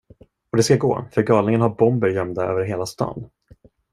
Och det ska gå, för galningen har bomber gömda över hela stan.